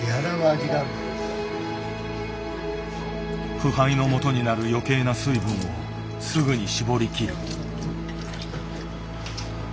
腐敗のもとになる余計な水分をすぐに絞りきる。